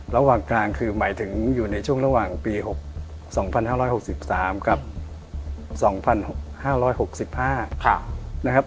ระหว่างกลางคือหมายถึงอยู่ในช่วงระหว่างปี๒๕๖๓กับ๒๕๖๕นะครับ